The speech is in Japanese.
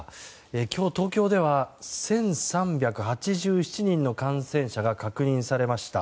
今日、東京では１３８７人の感染者が確認されました。